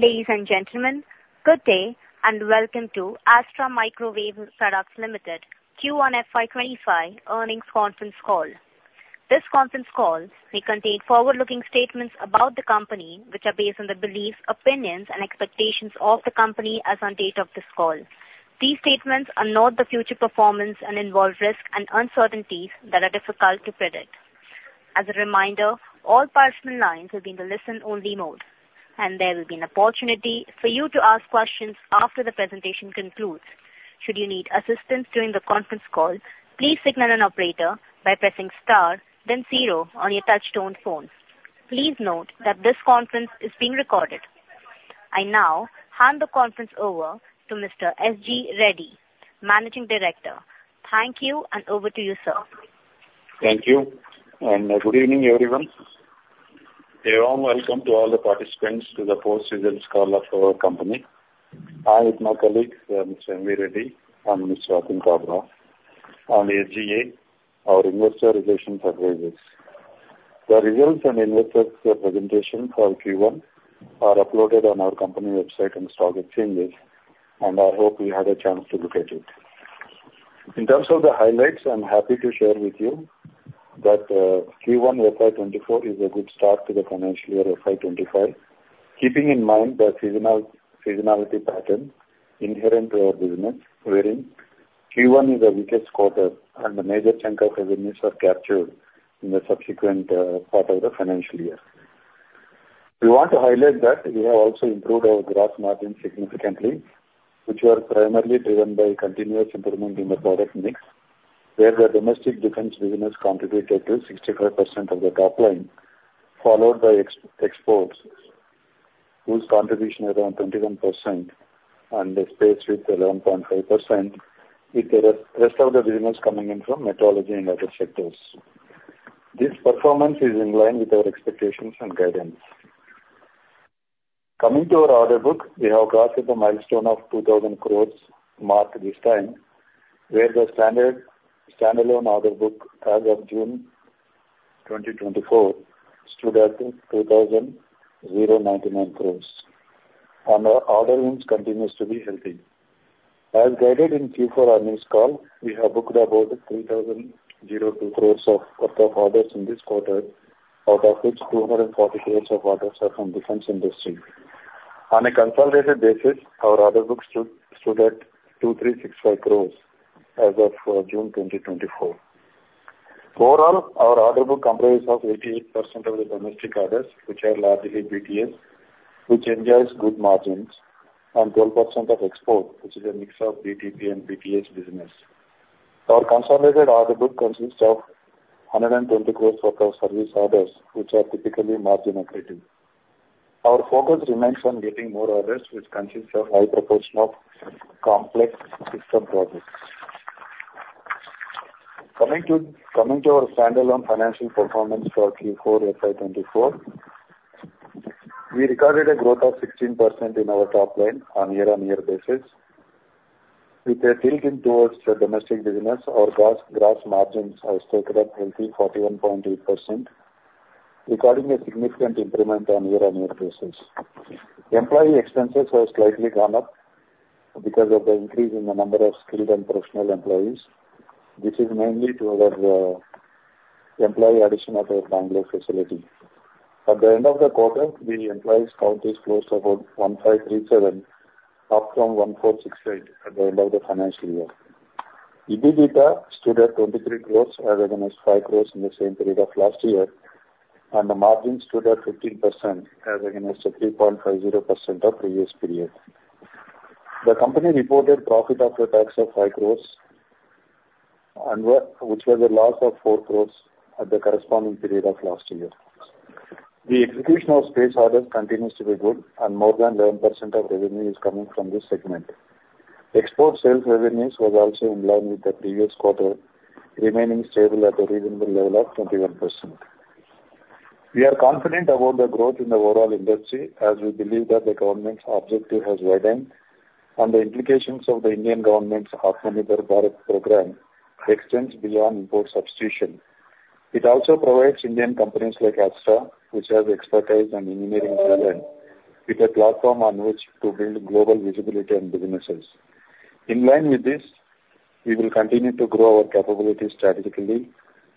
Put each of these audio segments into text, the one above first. Ladies and gentlemen, good day, and welcome to Astra Microwave Products Limited Q1 FY25 earnings conference call. This conference call may contain forward-looking statements about the company, which are based on the beliefs, opinions, and expectations of the company as on date of this call. These statements are not the future performance and involve risks and uncertainties that are difficult to predict. As a reminder, all participant lines will be in the listen-only mode, and there will be an opportunity for you to ask questions after the presentation concludes. Should you need assistance during the conference call, please signal an operator by pressing star then zero on your touchtone phone. Please note that this conference is being recorded. I now hand the conference over to Mr. S.G. Reddy, Managing Director. Thank you, and over to you, sir. Thank you, and good evening, everyone. A warm welcome to all the participants to the fourth quarter call of our company. I, with my colleagues, Mr. M.V. Reddy and Mr. Atim Kabra, and SGA, our investor relations advisors. The results and investors presentation for Q1 are uploaded on our company website and stock exchanges, and I hope you had a chance to look at it. In terms of the highlights, I'm happy to share with you that, Q1 FY 2024 is a good start to the financial year FY 2025, keeping in mind the seasonality pattern inherent to our business, wherein Q1 is the weakest quarter and the major chunk of revenues are captured in the subsequent part of the financial year. We want to highlight that we have also improved our gross margin significantly, which were primarily driven by continuous improvement in the product mix, where the domestic defense business contributed to 65% of the top line, followed by exports, whose contribution around 21% and the space with 11.5%, with the rest of the business coming in from metrology and other sectors. This performance is in line with our expectations and guidance. Coming to our order book, we have crossed the milestone of 2,000 crore mark this time, where the standard standalone order book as of June 2024 stood at 2,099 crore, and our order wins continues to be healthy. As guided in Q4 earnings call, we have booked about 3,002 crores of orders in this quarter, out of which 240 crores of orders are from defense industry. On a consolidated basis, our order book stood at 2,365 crores as of June 2024. Overall, our order book comprises of 88% of the domestic orders, which are largely BTS, which enjoys good margins and 12% of export, which is a mix of BTP and BTS business. Our consolidated order book consists of 120 crores worth of service orders, which are typically margin accretive. Our focus remains on getting more orders, which consists of high proportion of complex system projects. Coming to our standalone financial performance for Q4 FY 2024, we recorded a growth of 16% in our top line on year-on-year basis. With a tilting towards the domestic business, our gross, gross margins have stuck at healthy 41.8%, recording a significant improvement on year-on-year basis. Employee expenses have slightly gone up because of the increase in the number of skilled and professional employees. This is mainly to our employee addition at our Bengaluru facility. At the end of the quarter, the employees count is close to about 1,537, up from 1,468 at the end of the financial year. EBITDA stood at 23 crore as against 5 crore in the same period of last year, and the margin stood at 15% as against the 3.50% of previous period. The company reported profit after tax of 5 crore and which was a loss of 4 crore at the corresponding period of last year. The execution of space orders continues to be good, and more than 11% of revenue is coming from this segment. Export sales revenues was also in line with the previous quarter, remaining stable at a reasonable level of 21%. We are confident about the growth in the overall industry, as we believe that the government's objective has widened, and the implications of the Indian government's Atmanirbhar Bharat program extends beyond import substitution. It also provides Indian companies like Astra, which have expertise and engineering talent, with a platform on which to build global visibility and businesses. In line with this, we will continue to grow our capabilities strategically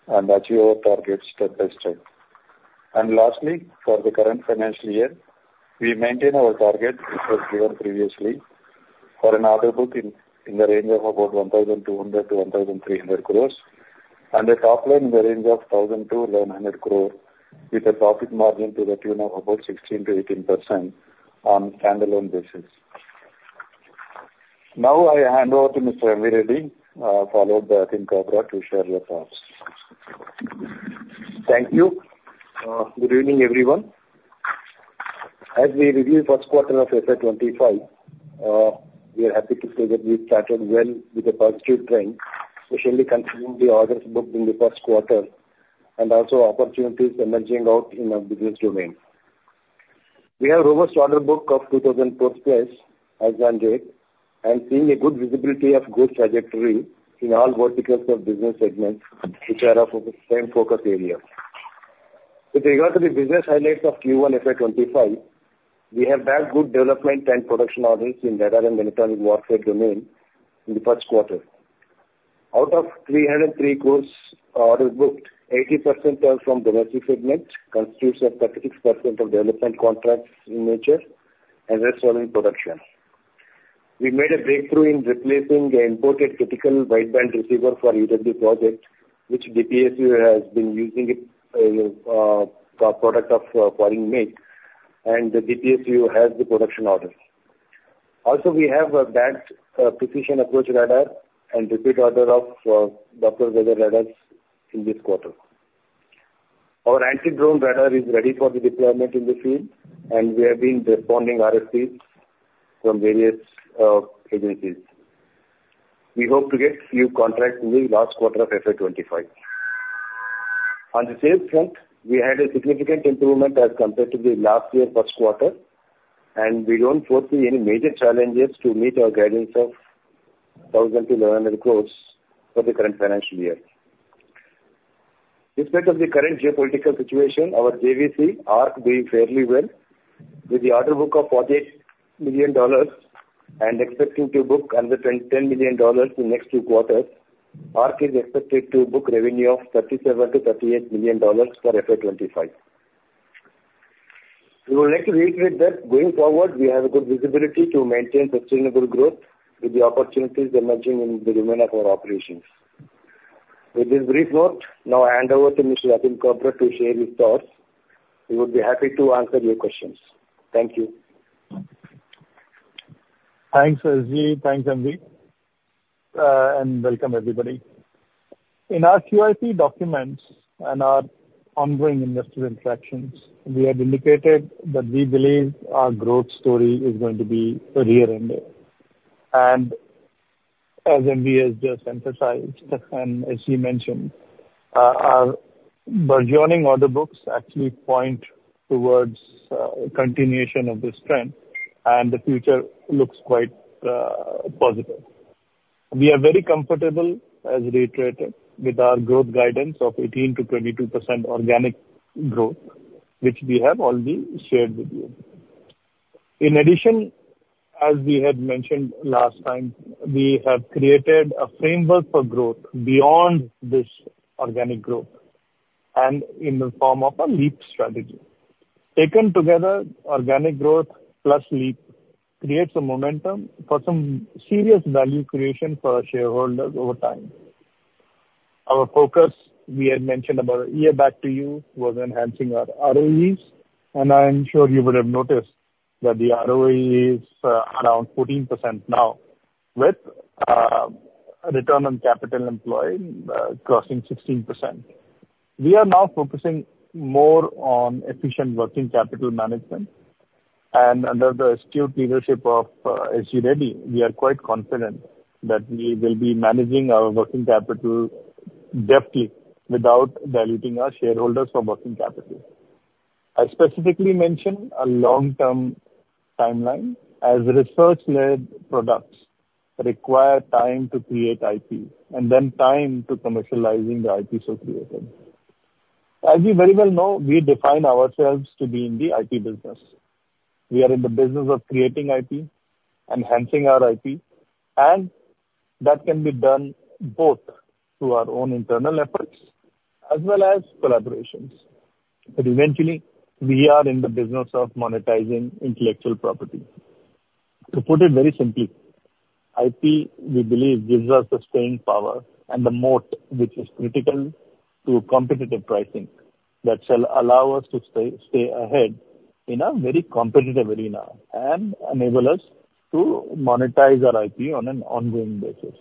and achieve our targets step by step. Lastly, for the current financial year, we maintain our target, which was given previously, for an order book in the range of about 1,200-1,300 crore and a top line in the range of 1,000-1,100 crore, with a profit margin to the tune of about 16%-18% on standalone basis. Now, I hand over to Mr. M.V. Reddy, followed by Atim Kabra, to share their thoughts. Thank you. Good evening, everyone. As we review first quarter of FY 2025, we are happy to say that we've started well with a positive trend, especially considering the orders booked in the first quarter and also opportunities emerging out in our business domain. We have robust order book of 2,000 crore+ as on date, and seeing a good visibility of good trajectory in all verticals of business segments which are of the same focus area. With regard to the business highlights of Q1 FY 2025, we have had good development and production orders in radar and electronic warfare domain in the first quarter. Out of 303 gross orders booked, 80% are from domestic segment, constitutes of 36% of development contracts in nature and rest all in production. We made a breakthrough in replacing the imported critical wideband receiver for EW project, which DPSU has been using it, product of foreign make, and the DPSU has the production orders. Also, we bagged a Precision Approach Radar and repeat order of Doppler Weather Radars in this quarter. Our anti-drone radar is ready for the deployment in the field, and we have been responding RFPs from various agencies. We hope to get few contracts in the last quarter of FY 2025. On the sales front, we had a significant improvement as compared to the last year first quarter, and we don't foresee any major challenges to meet our guidance of 1,000-1,100 crores for the current financial year. Despite of the current geopolitical situation, our JVC, ARC, doing fairly well. With the order book of $48 million and expecting to book another $10 million in next two quarters, ARC is expected to book revenue of $37-$38 million for FY 2025. We would like to reiterate that going forward, we have a good visibility to maintain sustainable growth with the opportunities emerging in the domain of our operations. With this brief note, now I hand over to Mr. Atim Kabra to share his thoughts. He would be happy to answer your questions. Thank you. Thanks, S.G. Thanks, M.V. and welcome, everybody. In our QIP documents and our ongoing investor interactions, we had indicated that we believe our growth story is going to be rear-ended. And as M.V. has just emphasized, and as he mentioned, our burgeoning order books actually point towards continuation of this trend, and the future looks quite positive. We are very comfortable, as reiterated, with our growth guidance of 18%-22% organic growth, which we have already shared with you. In addition, as we had mentioned last time, we have created a framework for growth beyond this organic growth and in the form of a leap strategy. Taken together, organic growth plus leap creates a momentum for some serious value creation for our shareholders over time. Our focus, we had mentioned about a year back to you, was enhancing our ROEs, and I am sure you would have noticed that the ROE is around 14% now, with return on capital employed crossing 16%. We are now focusing more on efficient working capital management, and under the astute leadership of S.G. Reddy, we are quite confident that we will be managing our working capital deftly without diluting our shareholders for working capital. I specifically mentioned a long-term timeline, as research-led products require time to create IP and then time to commercializing the IP so created. As you very well know, we define ourselves to be in the IP business. We are in the business of creating IP, enhancing our IP, and that can be done both through our own internal efforts as well as collaborations. But eventually, we are in the business of monetizing intellectual property. To put it very simply, IP, we believe, gives us the staying power and the moat, which is critical to competitive pricing, that shall allow us to stay, stay ahead in a very competitive arena and enable us to monetize our IP on an ongoing basis.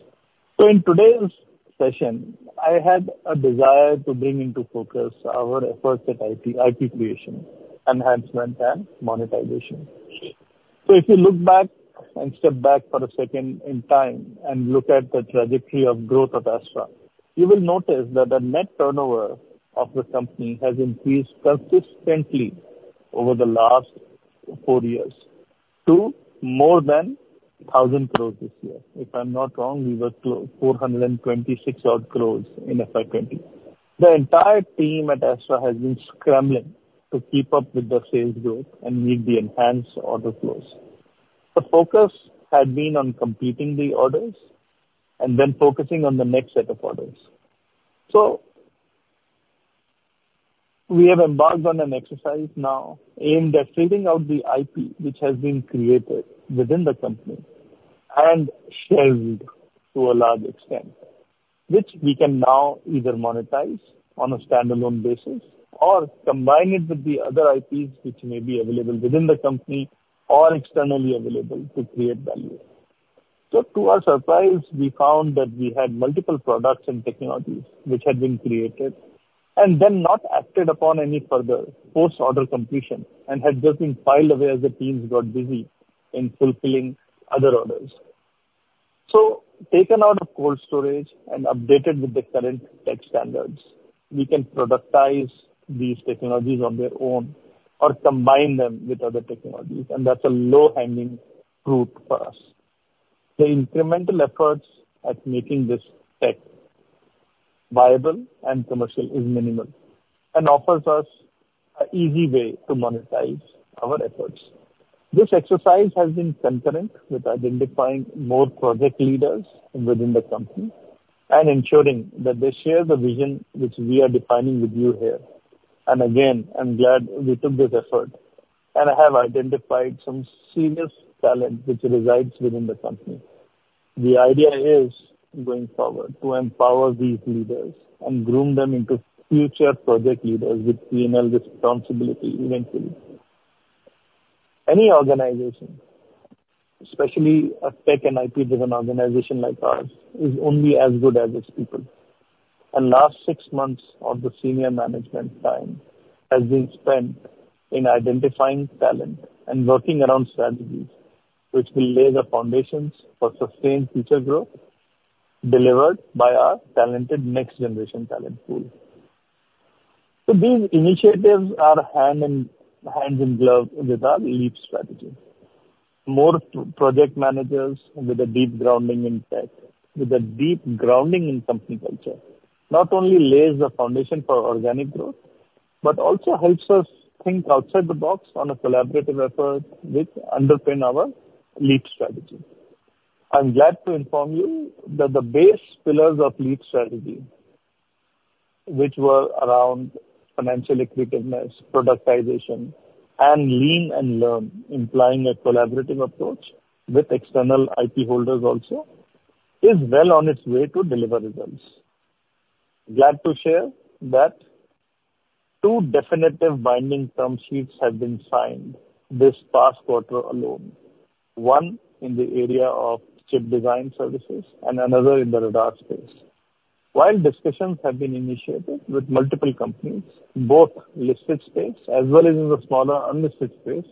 So in today's session, I had a desire to bring into focus our efforts at IP, IP creation, enhancement, and monetization. So if you look back and step back for a second in time and look at the trajectory of growth at Astra, you will notice that the net turnover of the company has increased consistently over the last four years to more than 1,000 crore this year. If I'm not wrong, we were close to 426 odd crore in FY 2020. The entire team at Astra has been scrambling to keep up with the sales growth and meet the enhanced order flows. The focus had been on completing the orders and then focusing on the next set of orders. So we have embarked on an exercise now aimed at filling out the IP, which has been created within the company and shelved to a large extent, which we can now either monetize on a standalone basis or combine it with the other IPs, which may be available within the company or externally available to create value. So to our surprise, we found that we had multiple products and technologies which had been created and then not acted upon any further post-order completion and had just been filed away as the teams got busy in fulfilling other orders. So taken out of cold storage and updated with the current tech standards, we can productize these technologies on their own or combine them with other technologies, and that's a low-hanging fruit for us. The incremental efforts at making this tech viable and commercial is minimal and offers us an easy way to monetize our efforts. This exercise has been concurrent with identifying more project leaders within the company and ensuring that they share the vision which we are defining with you here. And again, I'm glad we took this effort and have identified some serious talent which resides within the company. The idea is, going forward, to empower these leaders and groom them into future project leaders with P&L responsibility eventually. Any organization, especially a tech and IP-driven organization like ours, is only as good as its people. Last six months of the senior management time has been spent in identifying talent and working around strategies which will lay the foundations for sustained future growth delivered by our talented next generation talent pool. So these initiatives are hand in glove with our LEAP strategy. More project managers with a deep grounding in tech, with a deep grounding in company culture, not only lays the foundation for organic growth, but also helps us think outside the box on a collaborative effort which underpin our LEAP strategy. I'm glad to inform you that the base pillars of LEAP strategy, which were around financial effectiveness, productization, and lean and learn, implying a collaborative approach with external IP holders also, is well on its way to deliver results. Glad to share that two definitive binding term sheets have been signed this past quarter alone, one in the area of chip design services and another in the radar space. While discussions have been initiated with multiple companies, both listed space as well as in the smaller unlisted space,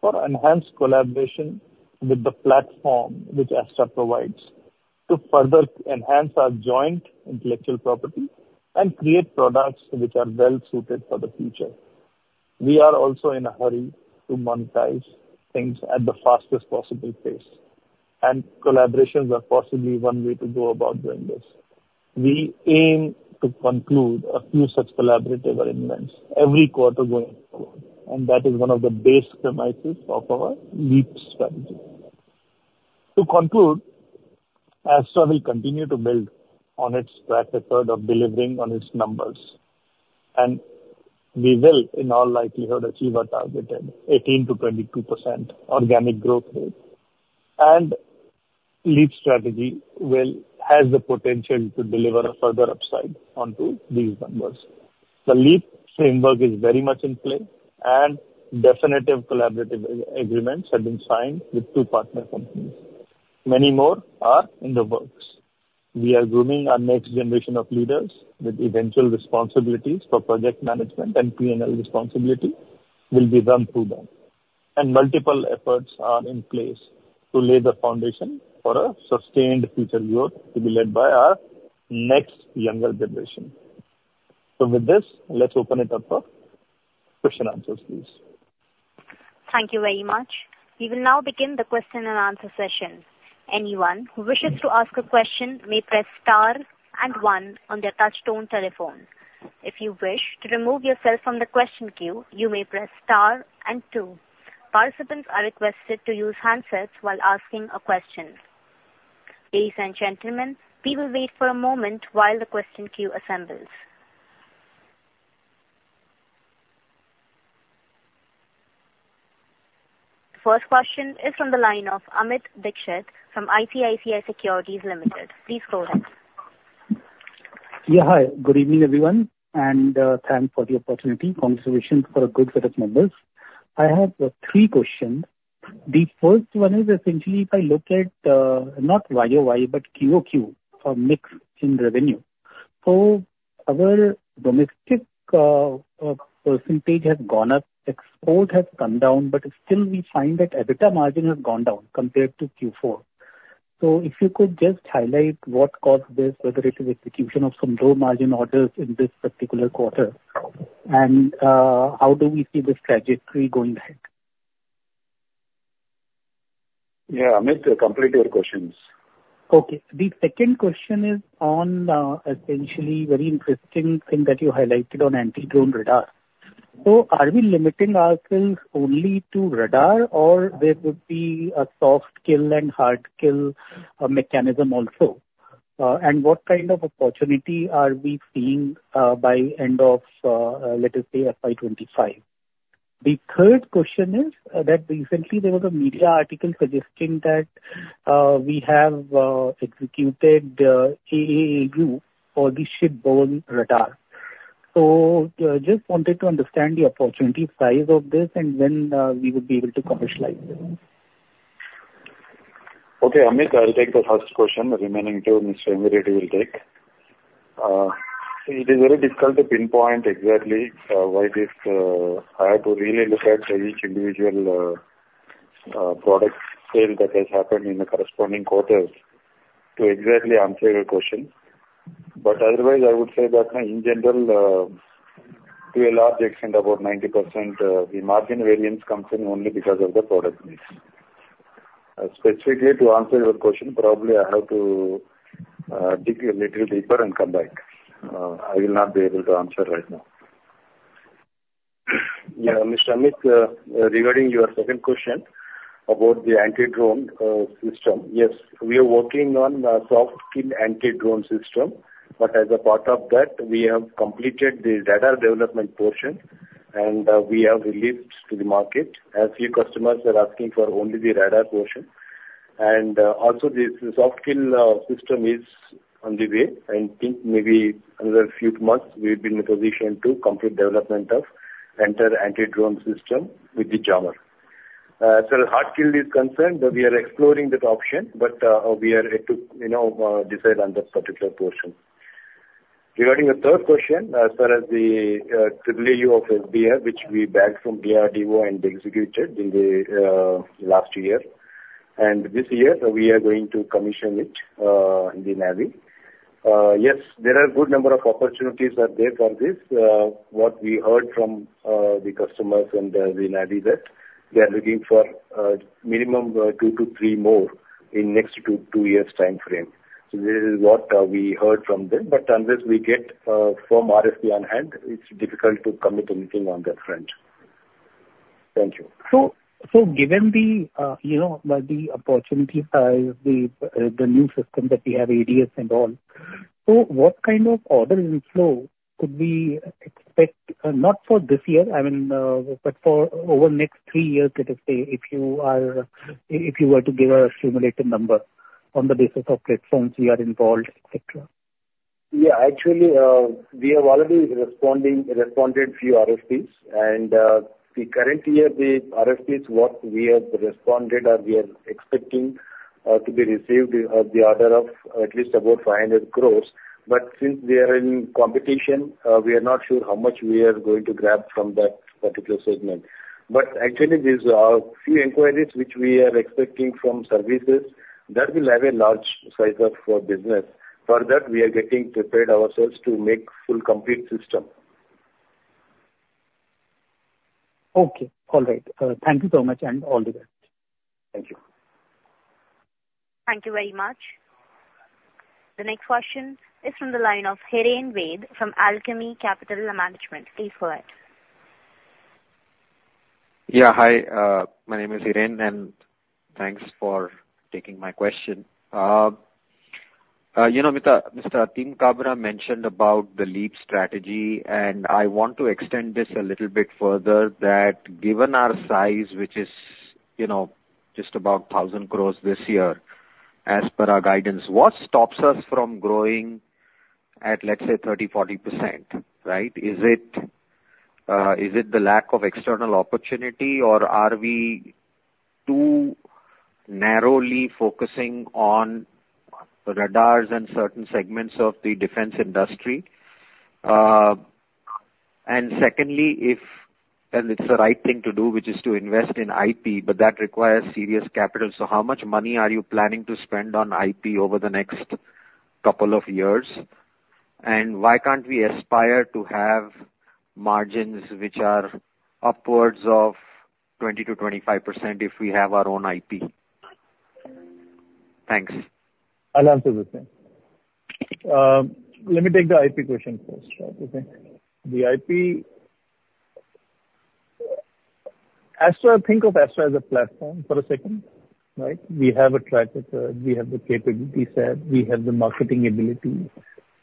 for enhanced collaboration with the platform which Astra provides, to further enhance our joint intellectual property and create products which are well-suited for the future. We are also in a hurry to monetize things at the fastest possible pace, and collaborations are possibly one way to go about doing this. We aim to conclude a few such collaborative arrangements every quarter going forward, and that is one of the base premises of our LEAP Strategy. To conclude, Astra will continue to build on its track record of delivering on its numbers, and we will, in all likelihood, achieve our targeted 18%-22% organic growth rate. And LEAP Strategy will--has the potential to deliver a further upside onto these numbers. The LEAP framework is very much in play, and definitive collaborative agreements have been signed with two partner companies. Many more are in the works. We are grooming our next generation of leaders with eventual responsibilities for project management, and P&L responsibility will be run through them. And multiple efforts are in place to lay the foundation for a sustained future growth to be led by our next younger generation. So with this, let's open it up for question answers, please. Thank you very much. We will now begin the question and answer session. Anyone who wishes to ask a question may press star and one on their touchtone telephone. If you wish to remove yourself from the question queue, you may press star and two. Participants are requested to use handsets while asking a question. Ladies and gentlemen, we will wait for a moment while the question queue assembles. First question is from the line of Amit Dixit from ICICI Securities Limited. Please go ahead. Yeah. Hi, good evening, everyone, and thanks for the opportunity. Congratulations for a good set of numbers. I have three questions. The first one is essentially, if I look at, not year-over-year, but quarter-over-quarter for mix in revenue. So our domestic percentage has gone up, export has come down, but still we find that EBITDA margin has gone down compared to Q4. So if you could just highlight what caused this, whether it is execution of some low margin orders in this particular quarter, and how do we see this trajectory going ahead? Yeah, Amit, complete your questions. Okay. The second question is on essentially very interesting thing that you highlighted on anti-drone radar. So are we limiting ourselves only to radar, or there could be a soft kill and hard kill mechanism also? And what kind of opportunity are we seeing by end of let us say FY 2025? The third question is that recently there was a media article suggesting that we have executed AAAU for the shipborne radar. So just wanted to understand the opportunity size of this and when we would be able to commercialize this. Okay, Amit, I'll take the first question. The remaining two, Mr. M.V. Reddy will take. It is very difficult to pinpoint exactly why this. I have to really look at each individual product sale that has happened in the corresponding quarters to exactly answer your question. But otherwise, I would say that, in general, to a large extent, about 90%, the margin variance comes in only because of the product mix. Specifically, to answer your question, probably I have to dig a little deeper and come back. I will not be able to answer right now. Yeah, Mr. Amit, regarding your second question about the anti-drone system. Yes, we are working on the soft kill anti-drone system, but as a part of that, we have completed the radar development portion, and we have released to the market, as few customers are asking for only the radar portion. And also the soft kill system is on the way. I think maybe another few months, we'll be in a position to complete development of entire anti-drone system with the jammer. As far as hard kill is concerned, we are exploring that option, but we are yet to, you know, decide on that particular portion. Regarding the third question, as far as the value of SDR, which we backed from DRDO and executed in the last year, and this year, we are going to commission it in the navy. Yes, there are good number of opportunities there for this. What we heard from the customers and the navy that we are looking for minimum 2-3 more in next 2 years time frame. So this is what we heard from them, but unless we get RFP on hand, it's difficult to commit anything on that front. Thank you. So, given the, you know, the opportunity size, the new system that we have, ADS and all, so what kind of order inflow could we expect, not for this year, I mean, but for over the next three years, let us say, if you were to give a simulated number on the basis of platforms we are involved, et cetera? Yeah. Actually, we have already responded few RFPs, and the current year, the RFPs what we have responded, or we are expecting to be received, the order of at least about 500 crores. But since we are in competition, we are not sure how much we are going to grab from that particular segment. But actually, these are few inquiries which we are expecting from services that will have a large size of for business. For that, we are getting prepared ourselves to make full, complete system. Okay. All right. Thank you so much, and all the best. Thank you. Thank you very much. The next question is from the line of Hiren Ved, from Alchemy Capital Management. Please go ahead. Yeah, hi. My name is Hiren, and thanks for taking my question. You know, Mr. Atim Kabra mentioned about the LEAP strategy, and I want to extend this a little bit further, that given our size, which is, you know, just about 1,000 crore this year, as per our guidance, what stops us from growing at, let's say, 30%-40%, right? Is it the lack of external opportunity, or are we too narrowly focusing on radars and certain segments of the defense industry? And secondly, it's the right thing to do, which is to invest in IP, but that requires serious capital. So how much money are you planning to spend on IP over the next couple of years? Why can't we aspire to have margins which are upwards of 20%-25% if we have our own IP? Thanks. I'll answer this one. Let me take the IP question first, right? Okay. The IP... Astra, think of Astra as a platform for a second, right? We have a track record, we have the capability set, we have the marketing ability,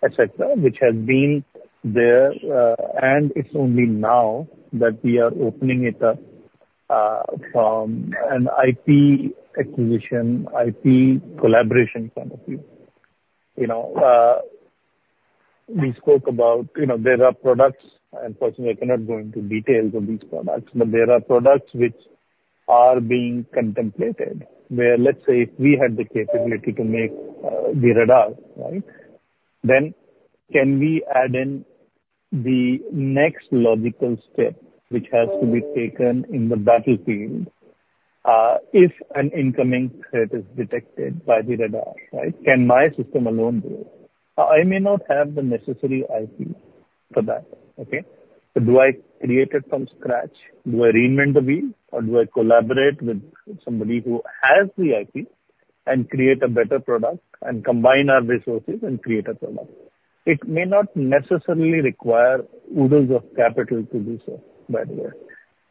et cetera, which has been there, and it's only now that we are opening it up from an IP acquisition, IP collaboration point of view. You know, we spoke about, you know, there are products, and personally I cannot go into details of these products, but there are products which are being contemplated, where, let's say, if we had the capability to make the radar, right? Then can we add in the next logical step, which has to be taken in the battlefield, if an incoming threat is detected by the radar, right? Can my system alone do it? I may not have the necessary IP for that. Okay? But do I create it from scratch? Do I reinvent the wheel, or do I collaborate with somebody who has the IP and create a better product, and combine our resources and create a product? It may not necessarily require oodles of capital to do so, by the way,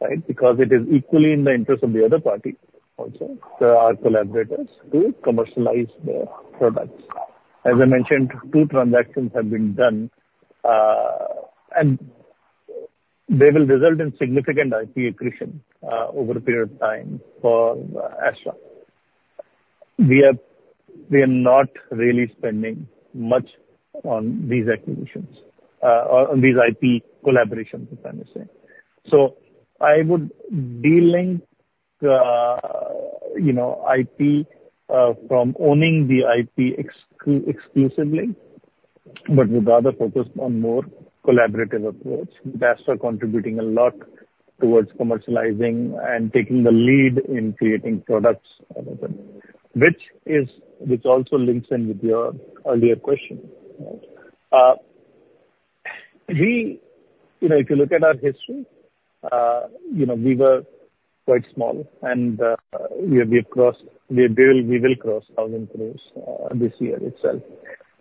right? Because it is equally in the interest of the other party also, they're our collaborators, to commercialize the products. As I mentioned, two transactions have been done, and they will result in significant IP accretion over a period of time for Astra. We are, we are not really spending much on these acquisitions, on these IP collaborations, I'm trying to say. So I would de-link, you know, IP from owning the IP exclusively, but would rather focus on more collaborative approach. That's for contributing a lot towards commercializing and taking the lead in creating products out of it. Which is, which also links in with your earlier question. We, you know, if you look at our history, you know, we were quite small, and we have, we have crossed, we will cross 1,000 crore this year itself.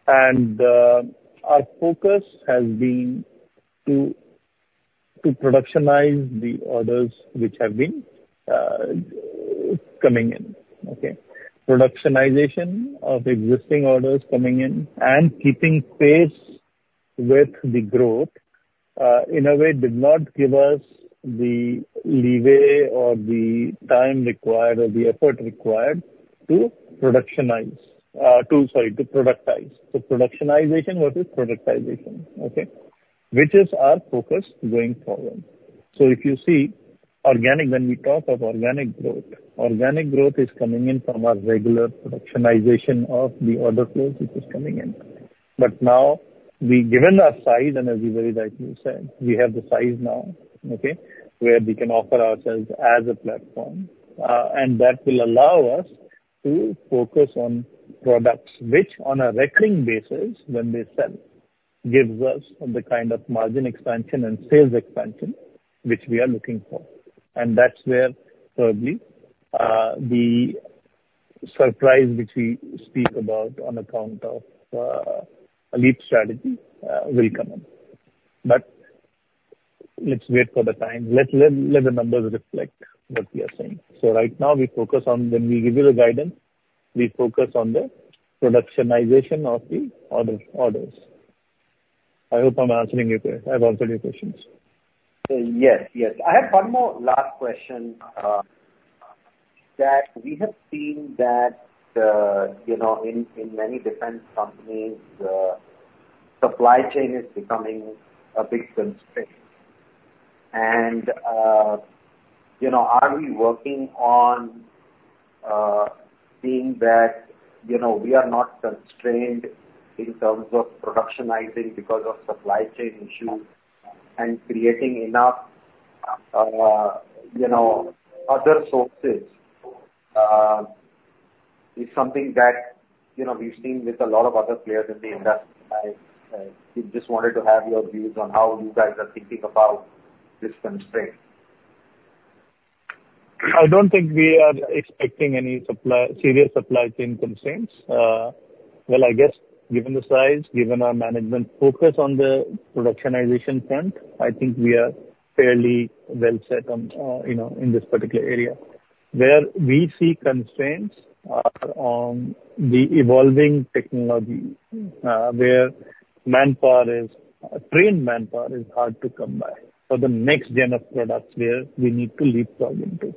And our focus has been to productionize the orders which have been coming in, okay? Productionization of existing orders coming in and keeping pace with the growth in a way did not give us the leeway or the time required or the effort required to productionize, to, sorry, to productize. So productionization versus productization, okay? Which is our focus going forward. So if you see organic, when we talk of organic growth, organic growth is coming in from our regular productionization of the order flows, which is coming in. But now, given our size, and as you very rightly said, we have the size now, okay, where we can offer ourselves as a platform, and that will allow us to focus on products, which, on a recurring basis, when they sell, gives us the kind of margin expansion and sales expansion which we are looking for. And that's where, probably, the surprise which we speak about on account of a LEAP strategy will come in. But let's wait for the time. Let the numbers reflect what we are saying. So right now, we focus on when we give you the guidance, we focus on the productionization of the order, orders. I hope I'm answering your, I've answered your questions. Yes, yes. I have one more last question, that we have seen that, you know, in, in many different companies, the supply chain is becoming a big constraint. And, you know, are we working on, seeing that, you know, we are not constrained in terms of productionizing because of supply chain issues and creating enough, you know, other sources? It's something that, you know, we've seen with a lot of other players in the industry, and, we just wanted to have your views on how you guys are thinking about this constraint. I don't think we are expecting any serious supply chain constraints. Well, I guess, given the size, given our management focus on the productionization front, I think we are fairly well set on, you know, in this particular area. Where we see constraints are on the evolving technology, where manpower is trained manpower is hard to come by for the next gen of products, where we need to leapfrog into.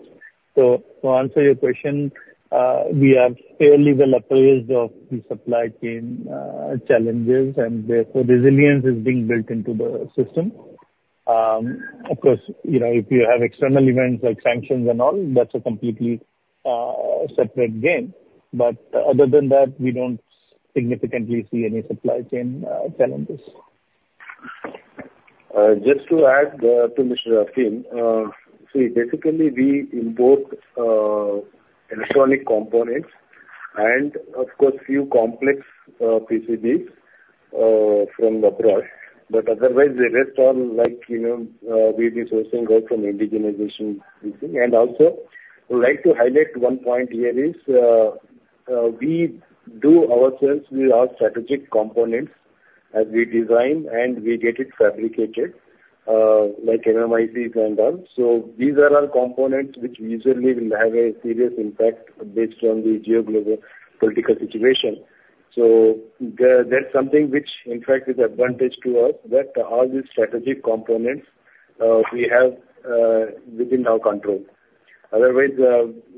So to answer your question, we are fairly well apprised of the supply chain challenges, and therefore, resilience is being built into the system. Of course, you know, if you have external events like sanctions and all, that's a completely separate game. But other than that, we don't significantly see any supply chain challenges. Just to add, to Mr. Atim, so basically, we import, electronic components and, of course, few complex, PCBs, from abroad, but otherwise, the rest all, like, you know, we are resourcing out from indigenization. And also, I would like to highlight one point here is, we do ourselves, we have strategic components as we design, and we get it fabricated, like MMICs and all. So these are all components which usually will have a serious impact based on the geo-global political situation. So that's something which, in fact, is advantage to us, that all these strategic components, we have, within our control. Otherwise,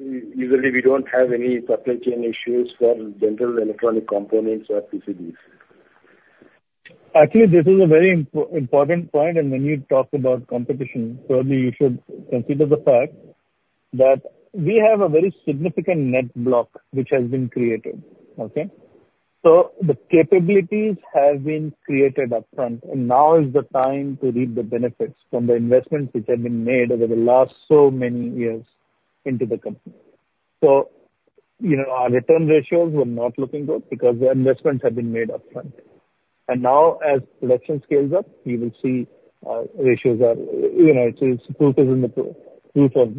usually, we don't have any supply chain issues for general electronic components or PCBs. Actually, this is a very important point, and when you talk about competition, probably you should consider the fact that we have a very significant net block, which has been created. Okay? So the capabilities have been created upfront, and now is the time to reap the benefits from the investments which have been made over the last so many years into the company. So, you know, our return ratios were not looking good because the investments have been made upfront. And now, as production scales up, you will see our ratios are, you know, it is proof is in the proof. Proof of,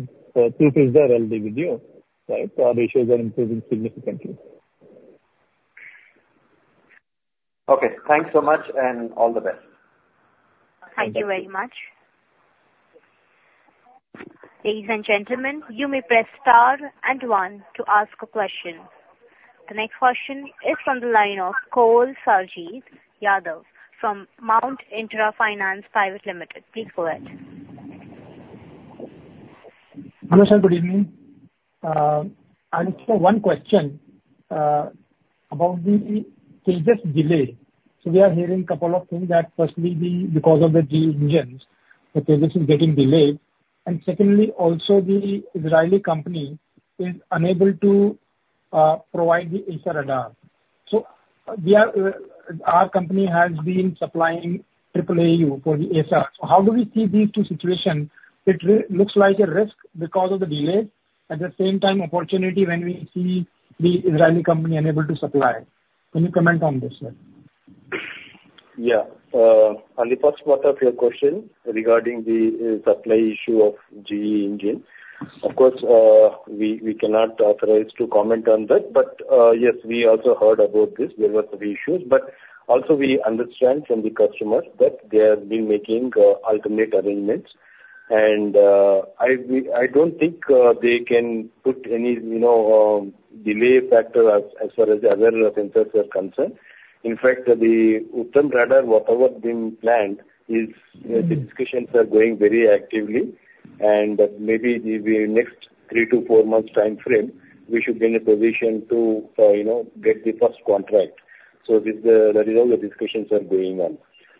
proof is there with the video, right? Our ratios are improving significantly. Okay, thanks so much, and all the best. Thank you very much. Ladies and gentlemen, you may press Star and One to ask a question. The next question is from the line of Kuljit Singh from Mount Intra Finance Private Limited. Please go ahead. Hello, sir. Good evening. I just have one question about the Tejas delay. So we are hearing a couple of things that, firstly, because of the GE engines, the Tejas is getting delayed. And secondly, also the Israeli company is unable to provide the AESA radar. So our company has been supplying AAAU for the ASR. So how do we see these two situation? It looks like a risk because of the delay, at the same time, opportunity when we see the Israeli company unable to supply. Can you comment on this, sir? Yeah. On the first part of your question regarding the supply issue of GE engine. Of course, we are not authorized to comment on that, but yes, we also heard about this. There were some issues, but also we understand from the customers that they have been making alternate arrangements. And I don't think they can put any, you know, delay factor as far as the other orders are concerned. In fact, the Uttam radar, whatever has been planned, the discussions are going very actively, and maybe in the next 3-4 months timeframe, we should be in a position to, you know, get the first contract. So, that is, all the discussions are going on.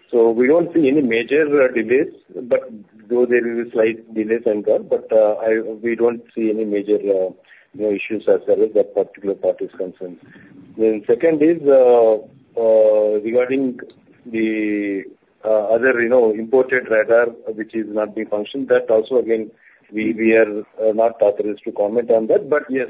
So we don't see any major delays, but though there is a slight delay and all, but we don't see any major, you know, issues as far as that particular part is concerned. Then second is, regarding the other, you know, imported radar which is not functioning, that also, again, we are not authorized to comment on that. But yes,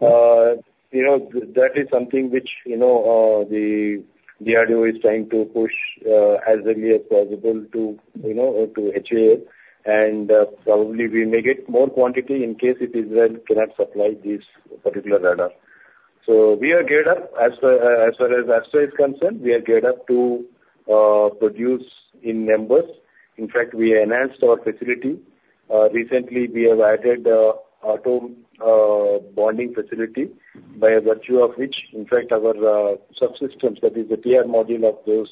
you know, that is something which, you know, the DRDO is trying to push as early as possible to, you know, to HAL, and probably we may get more quantity in case if Israel cannot supply this particular radar. So we are geared up as far as Astra is concerned, we are geared up to produce in numbers. In fact, we enhanced our facility. Recently, we have added auto bonding facility by virtue of which, in fact, our subsystems, that is the TR module of those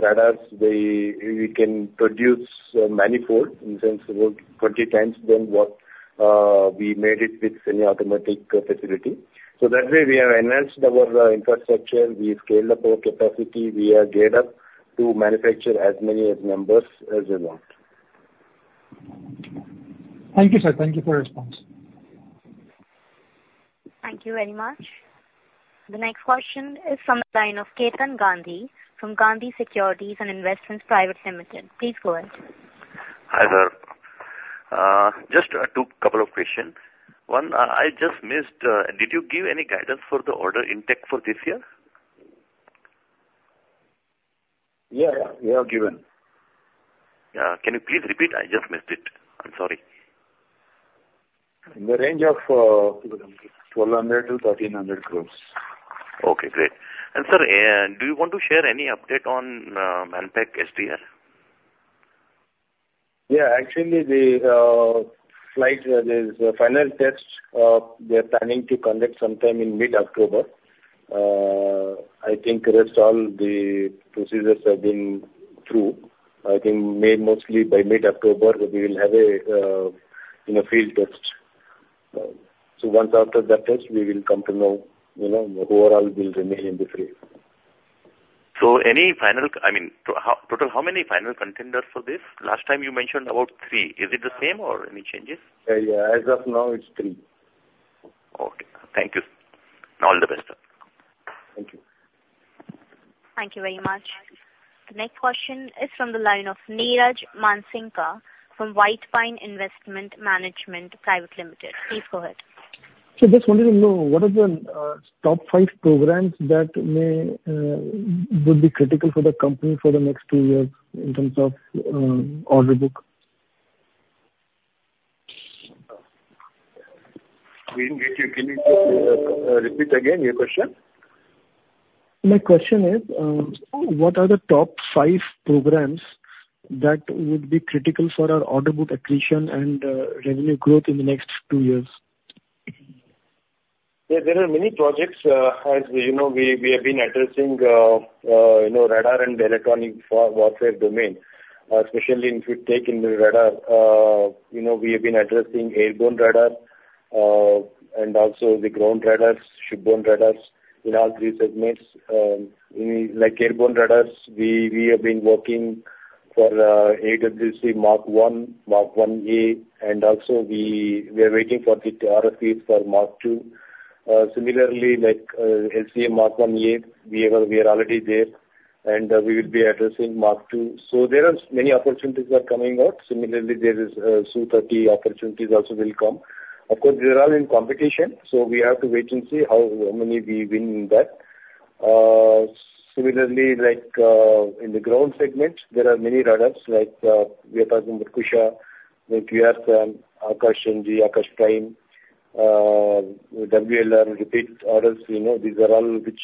radars, we can produce manifold, in sense about 20 times than what we made it with semi-automatic facility. So that way, we have enhanced our infrastructure. We scaled up our capacity. We are geared up to manufacture as many as numbers as they want. Thank you, sir. Thank you for your response. Thank you very much. The next question is from the line of Ketan Gandhi, from Gandhi Securities and Investments Private Limited. Please go ahead. Hi, there. Just, two couple of questions. One, I just missed, did you give any guidance for the order intake for this year? Yeah, we have given. Can you please repeat? I just missed it. I'm sorry. In the range of 1,200 crore-1,300 crore. Okay, great. And sir, do you want to share any update on Manpack SDR? Yeah, actually, the flight, the final test, they're planning to conduct sometime in mid-October. I think rest all the procedures have been through. I think may mostly by mid-October, we will have a, you know, field test. So once after that test, we will come to know, you know, overall will remain in the free. Any final... I mean, total how many final contenders for this? Last time you mentioned about three. Is it the same or any changes? Yeah. As of now, it's three. Okay. Thank you. All the best. Thank you. Thank you very much. The next question is from the line of Niraj Mansingka from White Pine Investment Management Private Limited. Please go ahead. Just wanted to know, what are the top five programs that may would be critical for the company for the next two years in terms of order book? We didn't get you. Can you repeat again your question? My question is, what are the top five programs that would be critical for our order book accretion and revenue growth in the next two years? Yeah, there are many projects. As you know, we have been addressing, you know, radar and electronic warfare domain. Especially if you take in the radar, you know, we have been addressing airborne radar and also the ground radars, shipborne radars in all three segments. Like airborne radars, we have been working for AEW&C Mark 1, Mark 1A, and also we are waiting for the RFPs for Mark 2. Similarly, like LCA Mark 1A, we are already there, and we will be addressing Mark 2. So there are many opportunities are coming out. Similarly, there is Su-30 opportunities also will come. Of course, these are all in competition, so we have to wait and see how many we win in that. Similarly, like, in the ground segment, there are many radars like, we are talking about Kusha, like we have some Akash-NG, Akash Prime, WLR repeat orders, you know, these are all which,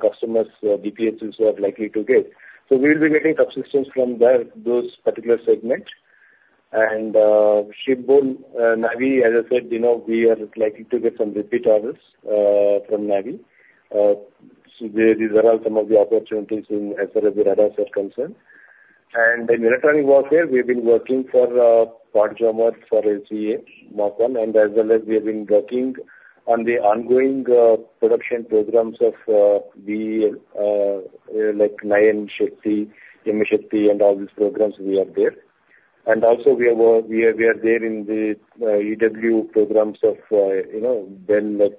customers, DPSUs are likely to get. So we will be getting subsystems from there, those particular segments. And, shipborne, navy, as I said, you know, we are likely to get some repeat orders, from navy. So these are all some of the opportunities in as far as the radars are concerned. And in electronic warfare, we've been working for, pod jammers for LCA Mk1, and as well as we have been working on the ongoing, production programs of, the, like in Shakti, Himshakti, and all these programs we are there.... And also we are there in the EW programs of, you know, then like,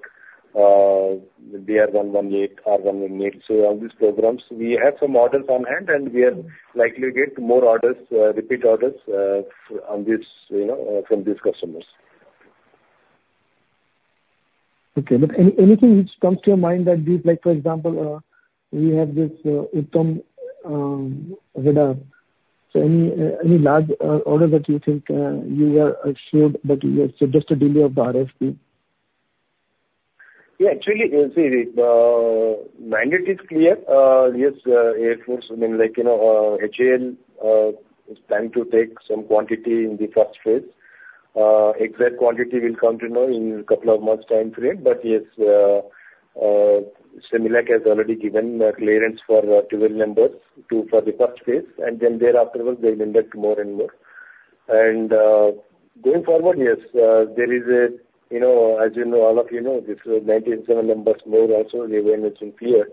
the D-118, R-118. So on these programs, we have some orders on hand, and we are likely to get more orders, repeat orders, on this, you know, from these customers. Okay. But anything which comes to your mind that we like, for example, we have this Uttam radar. So any large order that you think you are assured that you suggest a delay of the RFP? Yeah, actually, see, the mandate is clear. Yes, Air Force, I mean, like, you know, HAL is planning to take some quantity in the first phase. Exact quantity will come to know in couple of months' time frame, but yes, CEMILAC has already given clearance for 12 numbers, 2 for the first phase, and then thereafterward, they'll induct more and more. And going forward, yes, there is a, you know, as you know, all of you know, this 197 numbers more also, the win is in clear.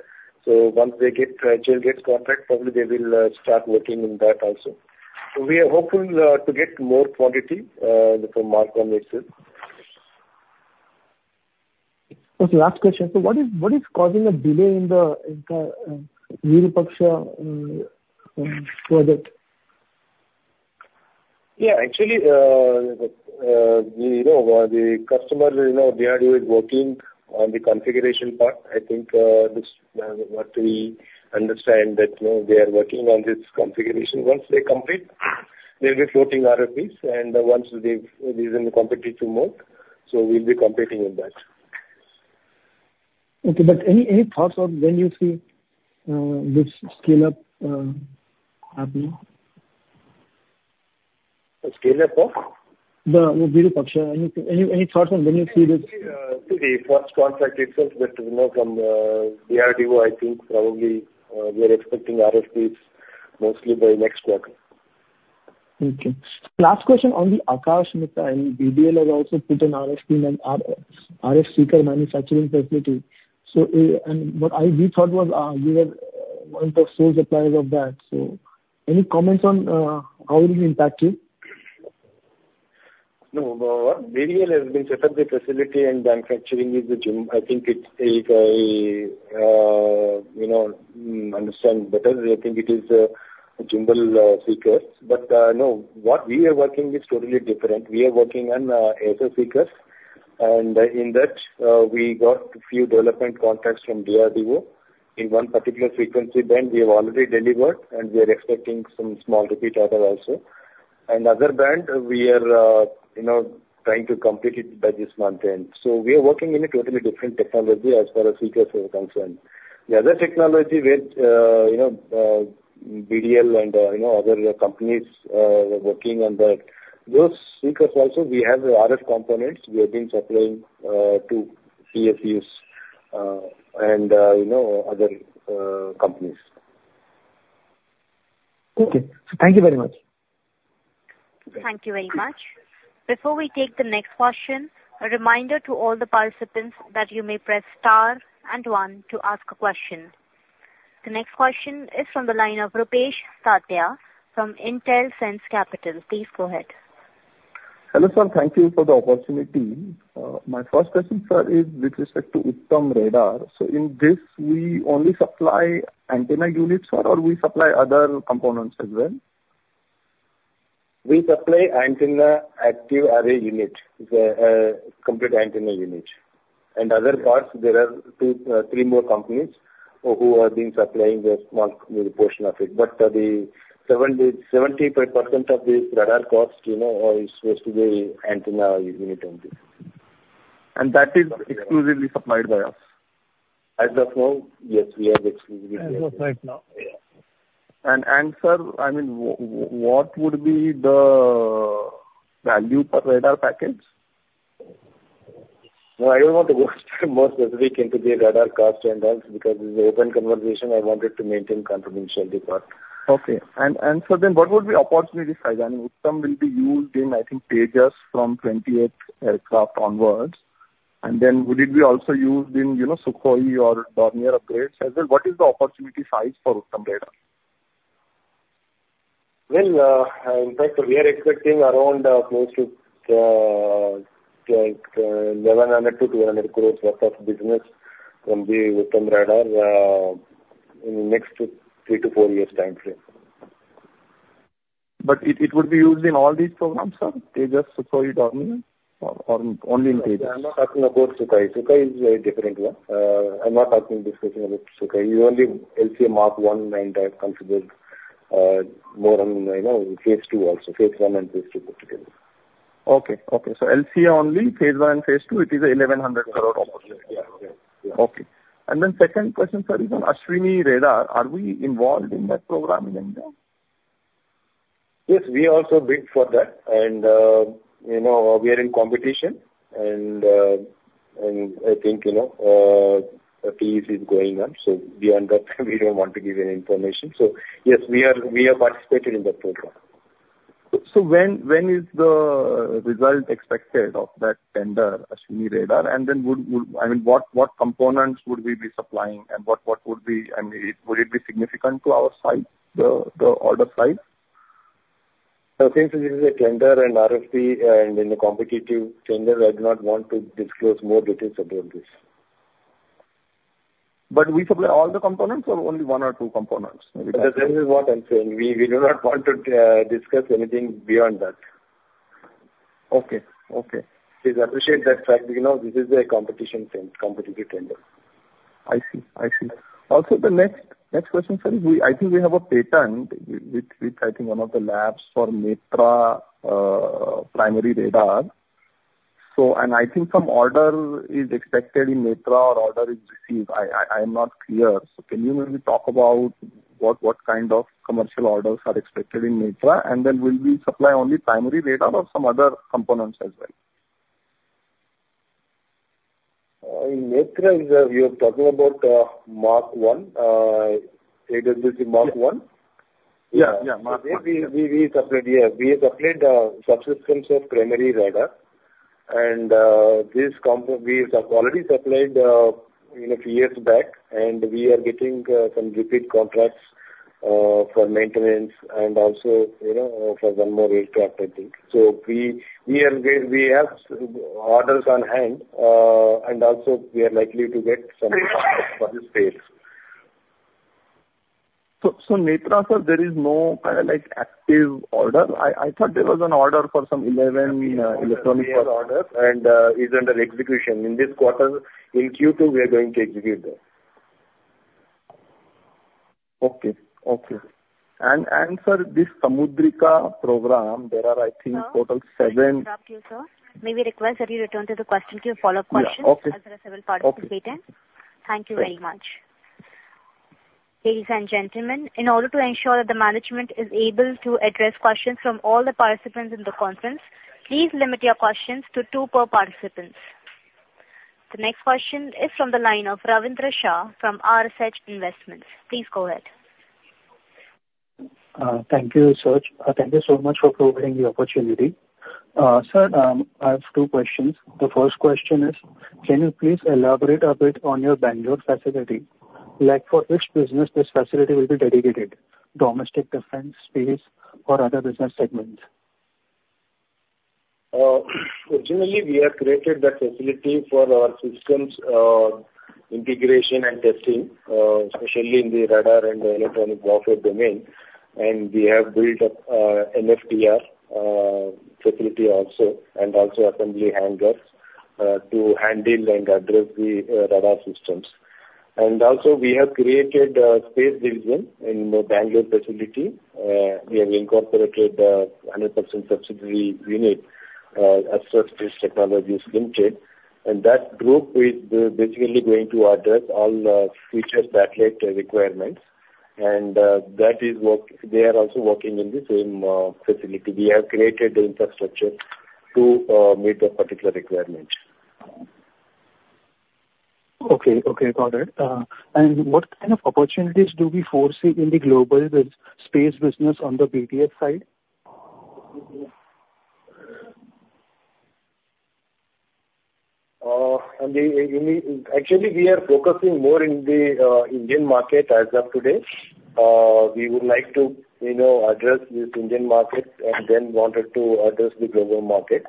So once they get, HAL gets contract, probably they will start working on that also. So we are hoping to get more quantity from MARk 1 itself. Okay, last question. So what is, what is causing a delay in the entire, in product? Yeah, actually, you know, the customer, you know, DRDO is working on the configuration part. I think, this, what we understand that, you know, they are working on this configuration. Once they complete, they'll be floating RFPs, and once they've, is in the competitive mode, so we'll be competing on that. Okay, but any, any thoughts on when you see this scale up happening? The scale up of? The Virupaksha. Any thoughts on when you see this? The first contract itself, but, you know, from DRDO, I think probably we are expecting RFPs mostly by next quarter. Okay. Last question on the Akash missile, and BDL has also put an RFP for manufacturing facility. So, and what we thought was, you were one of the sole suppliers of that. So any comments on how it will impact you? No, BDL has been set up the facility and manufacturing is the gimbal. I think it's, you know, understand better. I think it is gimbal seekers. But no, what we are working is totally different. We are working on AESA seekers, and in that, we got a few development contracts from DRDO. In one particular frequency band, we have already delivered, and we are expecting some small repeat order also. And other band, we are, you know, trying to complete it by this month end. So we are working in a totally different technology as far as seekers are concerned. The other technology with, you know, BDL and, you know, other companies, are working on that. Those seekers also, we have the RF components. We have been supplying to DPSUs and, you know, other companies. Okay. Thank you very much. Thank you very much. Before we take the next question, a reminder to all the participants that you may press Star and One to ask a question. The next question is from the line of Rupesh Tatia from Intelsense Capital. Please go ahead. Hello, sir. Thank you for the opportunity. My first question, sir, is with respect to Uttam Radar. In this, we only supply antenna units or, or we supply other components as well? We supply active antenna array unit, complete antenna unit. Other parts, there are two, three more companies who are being supplying a small portion of it. But, the 70, 70% of the radar cost, you know, is supposed to be antenna unit only. That is exclusively supplied by us? As of now, yes, we are exclusively. As of right now. Yeah. Sir, I mean, what would be the value per radar package? No, I don't want to go more specific into the radar cost and all, because this is an open conversation. I wanted to maintain confidentiality part. Okay. And so then what would be opportunity size? I mean, Uttam will be used in, I think, Tejas from 28 aircraft onwards. And then would it be also used in, you know, Sukhoi or Dornier upgrades as well? What is the opportunity size for Uttam radar? Well, in fact, we are expecting around, close to, like, 1,100 crore-200 crore worth of business from the Uttam radar, in the next 3-4 years' time frame. But it, it would be used in all these programs, sir? Tejas, Sukhoi, Dornier, or, or only in Tejas? I'm not talking about Sukhoi. Sukhoi is a different one. I'm not talking, discussing about Sukhoi. Only LCA Mark One main type considered, more on, you know, phase two also. Phase one and phase two put together. Okay. Okay, so LCA only, phase 1 and phase 2, it is 1,100 crore opportunity. Yeah. Okay. Yeah. Okay. Second question, sir, is on Ashwini Radar. Are we involved in that program in there? Yes, we also bid for that. You know, we are in competition, and I think, you know, process is going on, so beyond that, we don't want to give any information. So yes, we are participating in that program. So, when is the result expected of that tender, Ashwini Radar? And then would... I mean, what components would we be supplying, and what would be, I mean, would it be significant to our size, the order size?... Since this is a tender and RFP, and in a competitive tender, I do not want to disclose more details about this. We supply all the components or only one or two components? That is what I'm saying. We, we do not want to, discuss anything beyond that. Okay. Okay. Please appreciate that fact, you know, this is a competitive tender. I see. I see. Also, the next question, sir, we—I think we have a patent with, I think one of the labs for Netra primary radar. So, and I think some order is expected in Netra or order is received. I'm not clear. So can you maybe talk about what kind of commercial orders are expected in Netra, and then will we supply only primary radar or some other components as well? In Netra, we are talking about Mark One, AWACS Mark One? Yeah, yeah, Mark one. We supplied, yeah, we supplied subsystems of primary radar. We have already supplied, you know, a few years back, and we are getting some repeat contracts for maintenance and also, you know, for one more aircraft, I think. So we have orders on hand, and also we are likely to get some for the space. So, so Netra, sir, there is no, like, active order. I, I thought there was an order for some 11, electronic- Order, and, is under execution in this quarter. In Q2, we are going to execute that. Okay. And for this Samudrika program, there are, I think, total seven- Sir, to interrupt you, sir. May we request that you return to the question queue, follow-up questions? Yeah. Okay. As there are several participants. Okay. Thank you very much. Ladies and gentlemen, in order to ensure that the management is able to address questions from all the participants in the conference, please limit your questions to two per participants. The next question is from the line of Ravindra Shah, from RSH Investments. Please go ahead. Thank you, Sush. Thank you so much for providing the opportunity. Sir, I have two questions. The first question is, can you please elaborate a bit on your Bengaluru facility? Like, for which business this facility will be dedicated, domestic defense, space or other business segments? Originally, we have created the facility for our systems integration and testing, especially in the radar and electronic warfare domain. And we have built up an NFTR facility also, and also assembly hangars to handle and address the radar systems. And also, we have created a space division in the Bengaluru facility. We have incorporated a 100% subsidiary unit, Astra Space Technologies Limited, and that group is basically going to address all the future satellite requirements. And, they are also working in the same facility. We have created the infrastructure to meet the particular requirements. Okay. Okay, got it. And what kind of opportunities do we foresee in the global space business on the BDF side? Actually, we are focusing more in the Indian market as of today. We would like to, you know, address this Indian market and then wanted to address the global market.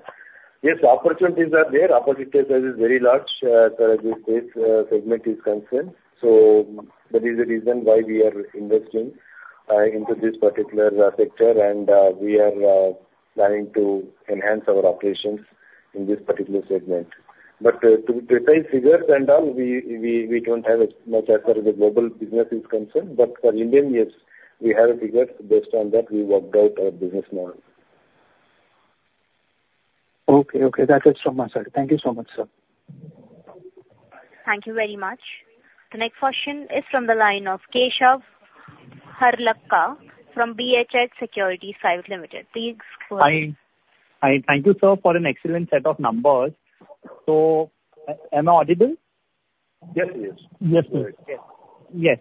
Yes, opportunities are there. Opportunity is very large, as far as this space segment is concerned, so that is the reason why we are investing into this particular sector. And we are planning to enhance our operations in this particular segment. But to precise figures and all, we don't have as much as far as the global business is concerned, but for Indian, yes, we have a figure. Based on that, we worked out our business model. Okay, okay. That's it from my side. Thank you so much, sir. Thank you very much. The next question is from the line of Keshav Harlalka from BHH Securities. Please go ahead. Thank you, sir, for an excellent set of numbers. So, am I audible? Yes, yes. Yes, sir. Yes.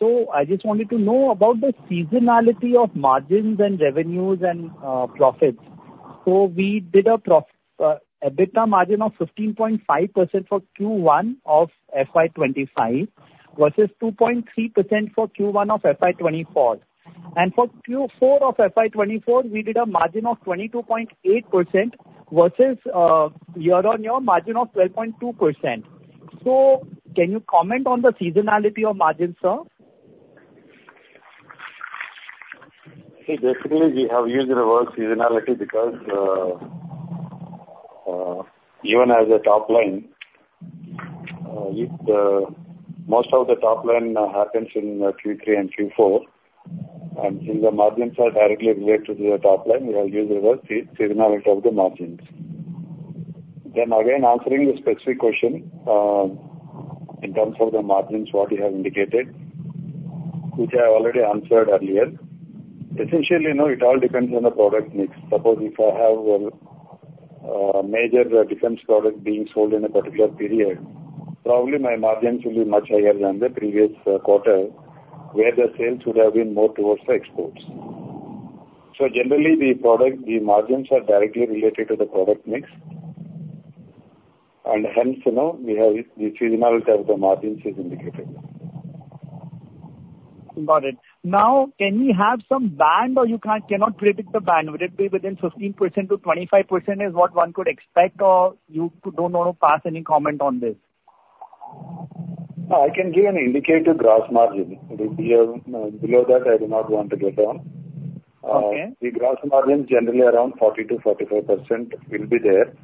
So I just wanted to know about the seasonality of margins and revenues and profits. So we did a EBITDA margin of 15.5% for Q1 of FY 2025, versus 2.3% for Q1 of FY 2024. And for Q4 of FY 2024, we did a margin of 22.8% versus year on year margin of 12.2%. So can you comment on the seasonality of margins, sir? See, basically, we have used the word seasonality because, even as a top line, it, most of the top line, happens in Q3 and Q4, and since the margins are directly related to the top line, we have used the word seasonality of the margins. Then again, answering the specific question, in terms of the margins, what you have indicated, which I already answered earlier. Essentially, you know, it all depends on the product mix. Suppose if I have, a major defense product being sold in a particular period, probably my margins will be much higher than the previous, quarter, where the sales would have been more towards the exports. So generally, the product, the margins are directly related to the product mix. And hence, you know, we have, we see the health of the margins is indicated. Got it. Now, can we have some band or you can't, cannot predict the band? Would it be within 15%-25% is what one could expect, or you don't want to pass any comment on this? No, I can give an indicated gross margin. It will be below that. I do not want to get down. Okay. The gross margin generally around 40-45% will be there.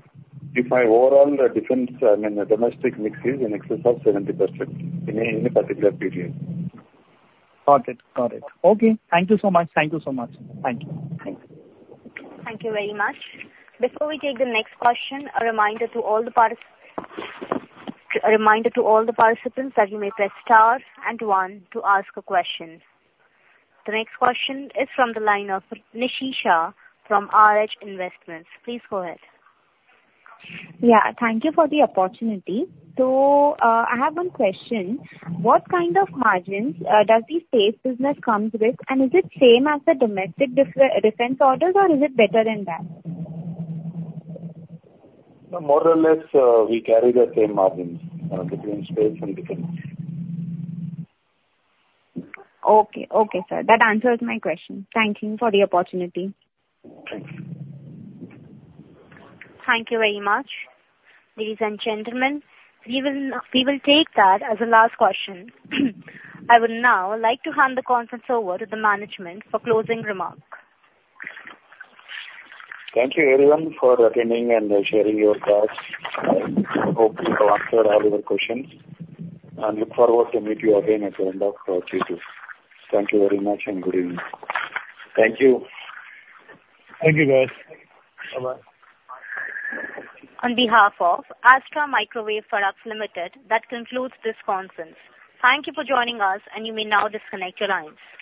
If my overall defense, I mean, domestic mix is in excess of 70% in any particular period. Got it. Got it. Okay, thank you so much. Thank you so much. Thank you. Thank you very much. Before we take the next question, a reminder to all the participants that you may press Star and One to ask a question. The next question is from the line of Nishit Shah from RSH Investments. Please go ahead. Yeah, thank you for the opportunity. So, I have one question. What kind of margins does the space business comes with, and is it same as the domestic defense orders, or is it better than that? More or less, we carry the same margins between space and defense. Okay. Okay, sir. That answers my question. Thank you for the opportunity. Thank you. Thank you very much. Ladies and gentlemen, we will, we will take that as the last question. I would now like to hand the conference over to the management for closing remarks. Thank you everyone for attending and, sharing your thoughts. I hope we have answered all your questions, and look forward to meet you again at the end of Q2. Thank you very much, and good evening. Thank you. Thank you, guys. Bye-bye. On behalf of Astra Microwave Products Limited, that concludes this conference. Thank you for joining us, and you may now disconnect your lines.